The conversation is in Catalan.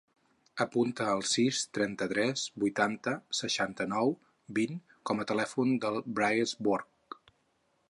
Apunta el sis, trenta-tres, vuitanta, seixanta-nou, vint com a telèfon del Brais Boj.